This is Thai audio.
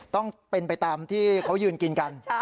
ต้องเป็นไปตามที่เขายืนกินกัน